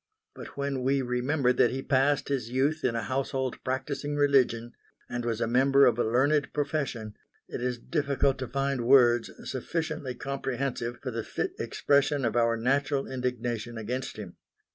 But when we remember that he passed his youth in a household practising religion, and was a member of a learned profession, it is difficult to find words sufficiently comprehensive for the fit expression of our natural indignation against him.